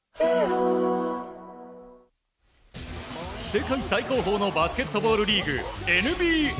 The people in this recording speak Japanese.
世界最高峰のバスケットボールリーグＮＢＡ。